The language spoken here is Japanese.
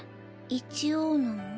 一応なの？